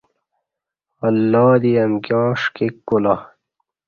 اللہ دی امکیاں ݜکیک کولا